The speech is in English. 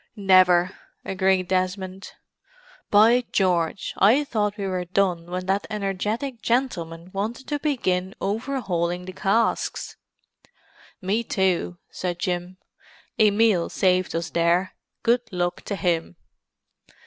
"Never," agreed Desmond. "By George, I thought we were done when that energetic gentleman wanted to begin overhauling the casks." "Me too," said Jim. "Emil saved us there—good luck to him!"